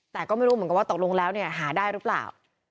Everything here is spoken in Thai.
แต่ก็ไม่รู้เหมือนกันว่าตกลงแล้วเนี่ยหาได้หรือเปล่า